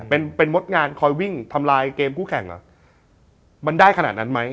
เป็นเป็นมดงานคอยวิ่งทำลายเกมคู่แข่งเหรอมันได้ขนาดนั้นไหม